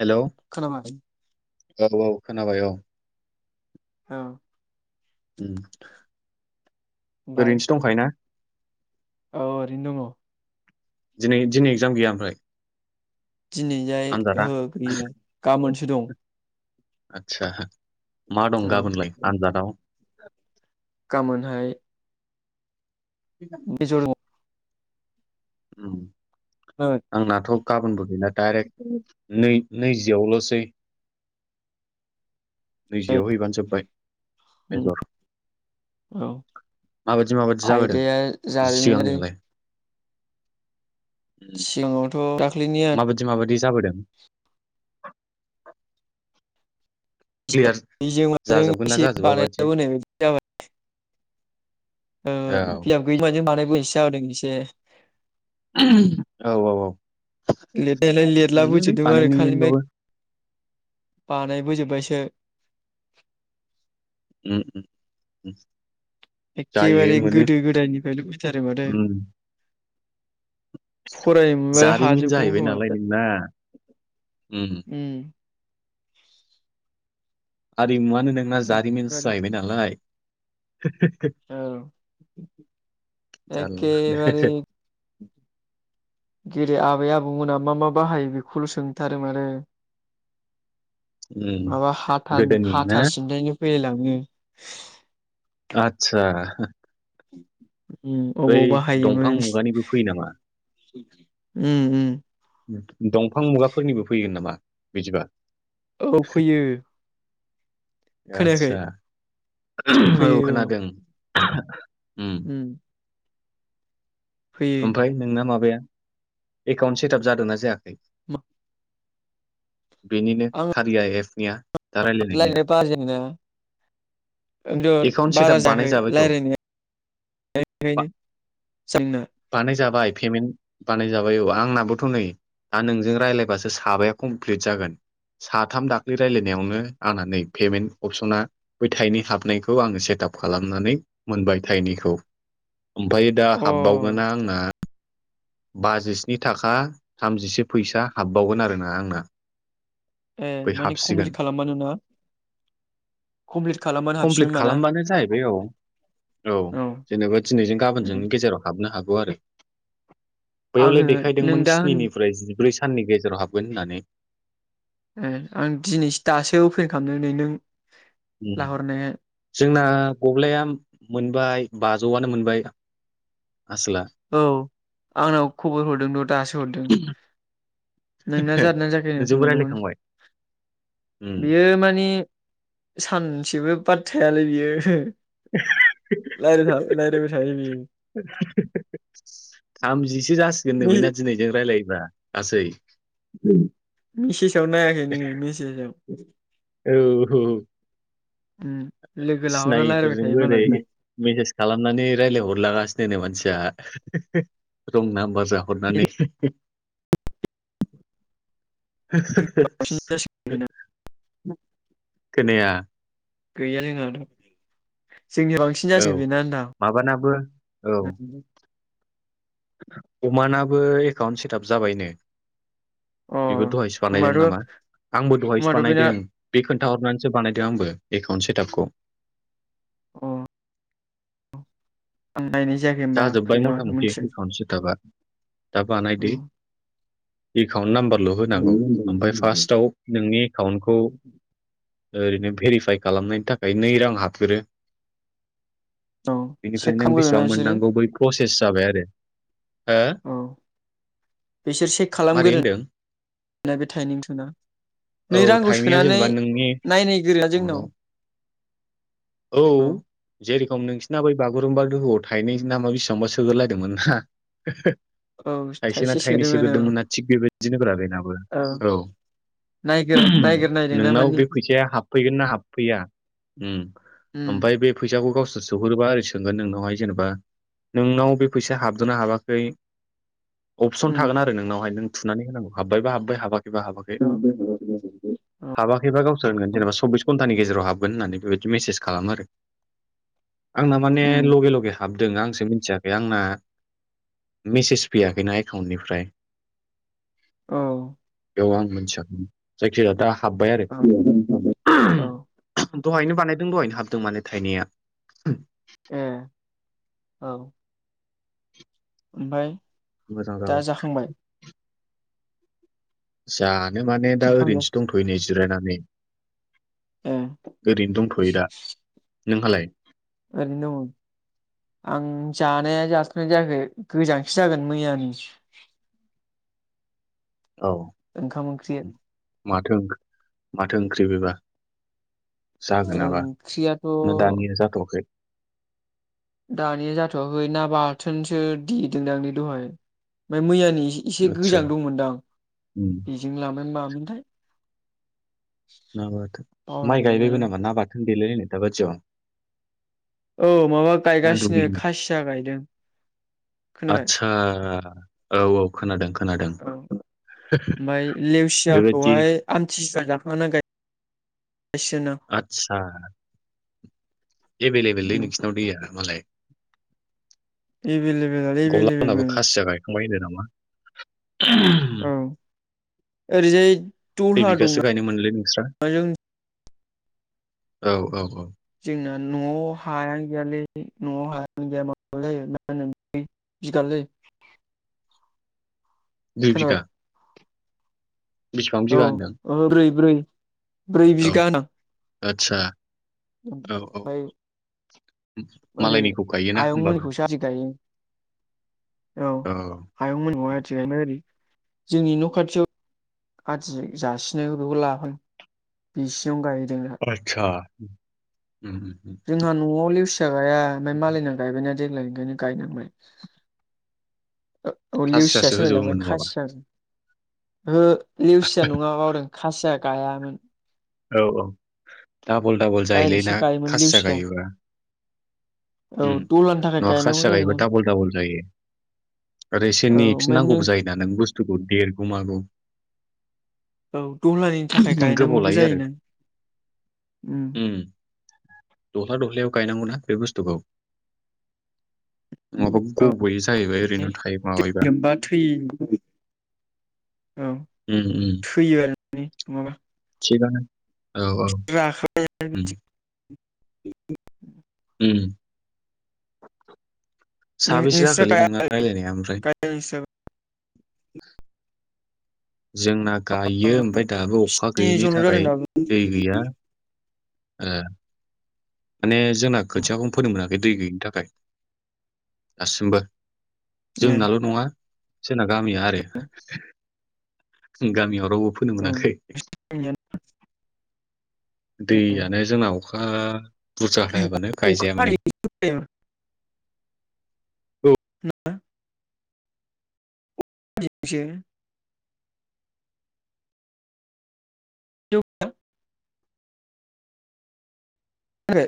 Hello खालामाखै औ औ खोनाबाय औ। औ उम ओमफ्राय ओरैनोसो दंखायोना? औ ओरैनो दङ। दिनै दिनै एगजाम गैया ओमफ्राय? दिनैजाय आनजादा ओ गैया गाबोनसो दं। आच्छा मा दं औ गाबोनलाय आनजादाव? गामोनहाय [unintelligible] [unintelligible] उम आंनाथ' गाबोनबो गैला दडाइरेक्ट नै नैजियावल'सै नैजियाव हैबानो जोब्बाय मेजर। माबायदि माबायदि जाबोदों आयदाया जारिमिनारि सिगांनियालाय? उम, सिगाङावथ' दाख्लैनिया माबायदि माबायदि जाबोदों? [unintelligible] क्लियार जाजोबगोन ना एसे जाजोबा बानायलाबोनाय बायदि जाबाय। ओ औ बियाब गैयि [unintelligible] जादों एसे। औ औ औ लिरनायालाय मोनोलै लिरलाबोजोबदोंमोन आरो खालि ओमफाय बानायनोबाबो बानायबोजोब्बायसो। उम उम उम। जायो एखेबारे मोनो गोदो गोदायनिफ्रायनो फैथारो माथो। उम फरायोमोनबालाय जारिमिन हाजोबगौमोन जाहैबाय खोमा नालाय एसे। नोंना उम आरिमुवानो नोंना उम जारिमिनसो जाहैबाय नालाय। औ एखेबारे जारला गोरो आबै आबौमोना मा मा बाहायो बेखौल' सोंथारो माथो। उम माबा हाथान गोदोनि ना हाथा सिनथायनो फैलायलाङो। आतसा उम अबाव दंफां बाहायोमोन मुगानिबो फैयो नामा उम उम। दंफां मुगाफोरनिबो फैगोन नामा बिदिबा? औ फैयो। खोनायाखै आतसा औ खोनादों। उम उम फैयो आमफाय नोंना माबाया एकाउन्ट सेटआप जादोंना जायाखै? मा? बेनिनो कारिया एफनिया? [unintelligible] बारा एकाउन्ट जायाखै सेटाप बानायजाबायथ' बा रायलायनाया। [unintelligible] जोंना बानायजाबाय पेमेन्ट बानायजाबाय औ आंनाबोथ' नै दा नोंजों रायलायबासो साबाया कमप्लिट जागोन। साथाम दाख्लै रायलायनायावनो आंना नै पेमेन्ट अपसना बै थाइनै हाबनायखौ आङो सेट आप खालामनानै मोनबाय थाइनैखौ। ओमफ्रायो दा अ हाबबावगोना आंना, बाजिस्नि थाखा थामजिसे फैसा हाबबावगोन आरोना आंना। ए बै माने हाबसिगोन कमप्लिट खालामबानो ना। कमप्लिट खालामबानो हाबसिगोन होमबाना। बेनो जाहैबाय औ औ जेनेबा दिनैजों गाबोनजोंनि गेजेराव हाबनो हागौ आरो। बैयावलाय आङो नों देखायदोंमोन दा होन स्निफ्राय जिब्रै साननि गेजेराव हाबगोन होननानै ए आं दिनैसो दासो अपेन खालामदों नै नों ओम लाहरनो जोंना गब्लाया मोनबाय बाजौआनो मोनबाय आसोला औ आंनाव खबर हरदों र' दासो हरदों नोंना जादोना जाखैनानै नोंजोंबो सोंमोनदोंमोन रायलायखांबाय उम बेयो माने सानसेबो बाद थायायालै बियो [unintelligible] रायलायबाय थायो बियो। थामजिसो जासिगोननो बेना दिनैजों रायज्लायोबा गासै मेसेजाव नायाखै नोङो मेसेजाव औ उम लोगो लाहरना रायज्लायबाय थायो सिनायिफोरजोंबो ओरै मालाय मेसेज खालामनानै रायलाहरलागासिनो नो मानसिया रं नाम्बार जाहरनानै। बांसिन जासिगोन बेना [unintelligible] खोनाया गैयालै जोंनाथ' जोंनिआ बांसिन औ बांसिन जासिगोन माबानाबो बिना औ होनदो आं अमानाबो एकाउन्ट सेटाप जाबायनो अ बेबो दहायसो बानायदों होमबाथ' नामा आंबो दहायसो होमबाथ' बेना बानायदों। बे खोन्थाहरनानैसो बानायदों आंबो एकाउन्ट सेटापखौ। अ [unintelligible] जाजोबबाय फैगोन मथा माखौ मथि मिथिया एकाउन्ट सेटापा। दा बानायदै उम एकाउन्ट नाम्बारल' होनांगौ ओमफ्राय फार्स्टआव नोंनि एकाउन्टखौ ओरैनो भेरिफाइ खालामनायनि थाखाय नै रां हाबग्रो औ चेक बेनिफ्राय नों खालामगोरोना बेसेबां बिसोरो मोननांगौ बै प्रसेस जाबाय आरो हो औ बिसोर चेक मारै खालामग्रायो होनदों अब्ला टाइनिंथुना नै औ रांखौ थाइनैया सोनानै जेनेबा नोंनि नायनो गोरोना जोंनाव एकाउन्टाव औ जेरेखम नोंसिना बै बागुरुम्बा दोहौआव थाइनै नामा बेसेबांबा सोग्रोलायदोंमोन ना। [unintelligible] औ थाइसे ना थाइनै सोदोंमोन औ सोग्रोदोंमोन ना थिग बेबायदिनो ब्रा बेनाबो औ नायगोर उम नायगोर नायदोंना नोंनाव मानि बे फैसाया हाबफैगोन ना हाबफैया ओम उम ओमफाय बे फैसाखौ गावसोर सोहरोबा ओरै सोंगोन नोंनावहाय जेनेबा नोंनाव बे फैसा हाबगोना हाबाखै अपसन उम थागोन आरो नोंनावहाय नों थुनानै होनांगौ हाब्बायबा हाब्बाय हाबाखैबा हाबाखै हाबाखैबा गावसोर होनगोन औ जेनबा सब्बिस घन्टानि गेराव हाबगोन होननानै बेबायदि मेस खालामो आरो आंना माने उम लगे लगे हाबदों आंसो मिथियाखै आंना मेसेज फैयाखैना एकाउन्टनिफ्राय औ बेयाव आं मिथियाखैमोन जायखिजाया दा हाब्बाय आरो औ औ दहायनो बानायदों दहायनो हाबदों माने थाइनाया ओम ओं ओमफफाय मोजां जागोन जानो माने दा ओंखाम जा ओरैनोसो दंथ'यै नै जिरायनानै। ए ओरैनो दंथ'यो दा नोंहालाय? ओरैनो दं। आं जानाया जाथनाय जायाखै गोजांसो जागोन मैयानि। औ। ओंखाम ओंख्रि। माथो माथो ओंख्रि बेबा। जागोन नाबा ना ओंख्रियाथ' दानिया जाथ'वाखै। दानिया जाथ'वाखै ना बाथोनसो देदोंदांलै दहाय ओमफ्राय मैयानि एसे। एसे आदसा गोजां दंमोनदां उम बेजों ललाम मा मोनथाय। ना बाथोन माइ बावलायलांबाय गायबायबो नामा ना बाथोन देलाय लायनाय दाबादियाव। औ माबा गायगासिनो खासिया गायदों खोनाबाय। हा। औ औ खोनादों खोनादों औ बेबायदि। आमथि सुवा जाखांना गायसिगोनदां। आतसा। एभेल एभेललै दां नोंसिनाव दैया मालाय। एभलबेला एभलेबेल मोन। बाय द नामा। औ औरैजाय। खै बिगासो गायनो मोनलै नोंस्रा औ औ औ। जोंना न'आव हायानो गैयालै न'आव हायानो गैया म जायो। बिगाललै। दुइ खोनाबाय बिगा। बेसेबां औ बिगा होनदों बै ब्रै ब्रै औ बिगा होनां। आदसा औ औ बाय। ओरै मालायनिखौ गायोना होमबाबो आयंमोननिखौसो आदि गायो औ। हायंमोननिखौ आदि गायबाय ओरै जोंनि न खाथियाव। आदि जासिनायफोरखौ लाबाय बिसिनावनो गायहैदों दा। आतसा। जोंहा न'आव लेवसिया गाया ओमफ्राय मालायना गायबायना देग्लायनिओंखायनो गायनांबाय। औ लिउसिया खासियासो होनलायलांबाय होजोबोमोन नङाबा खासिया। ओ लेवसिया नङा बावदों खासिया गायामोन। औ औ डाबल डाबल जायोलै डाइरेक्टसो ना गायोमोन खासिया लेवसिया गायोबा। औ दहलानि थाखाय नङा गायनांगौ खासिया गायोबा जायोना डाबल डाबल जायो। ओरै औ ओमफ्राय नों एसेनेफिननांगौबो जायोना नों बुस्थुखौ देरगौ मागौ। औ दहलानि थाखाय गोबाव गायनांगौबो लायो जायो आरो नों। दह्ला दह्लायाव गायनांगौ ना बे बुस्थुखौ। नङाबा औ गब'यो जाहैबाय ओरैनो थायो माबायोबा। लोमबा थैयो औ। उम उम फैयो आरो मे मङाबा। थिगानो औ औ। उम [unintelligible] ओम ओम साबेसे नोंस्रा [unintelligible] जाखोलै नोंना रायलायनाया ओमफ्राय गायाखै नोंस्राबो [inaudible] जोंना गायो ओमफ्राय दाबो अखा स्नि गैयैनि जनल' जादों थाखाय दाबो दै गैया। ओ। माने जोंना खोथियाखौनो फोनो मोनाखै दै गैयिनि थाखाय दासिमबो। ए जोंनाल' नङा जोंना गामिया आरो। जों गामियाव रावबो फोनो औ मोनाखै। [inaudible] दैयानो जोंना अखा बुरजा हायाबानो गायजाया माने [unintelligible] औ [unintelligible] [unintelligible] [unintelligible] आरो